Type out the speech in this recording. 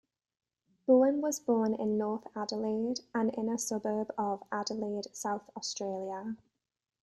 Bowen was born in North Adelaide, an inner suburb of Adelaide, South Australia.